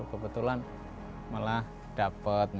kebetulan malah dapat